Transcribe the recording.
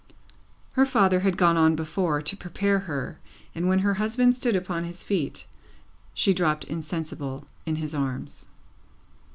Her father had gone on before, to prepare her, and when her husband stood upon his feet, she dropped insensible in his arms.